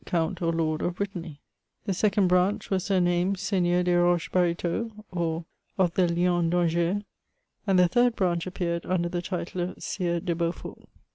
Count or Lord of Brittany. The second branch were sumamed Seigneura dea Roches Baritaut, or of the Lion tT Angers j and the third branch appeared under the title of Sires de Beaufort.